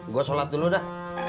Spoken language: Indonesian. gua sholat dulu dah